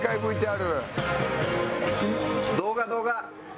動画動画！